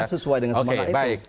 sesuai dengan semangat itu